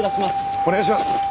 お願いします。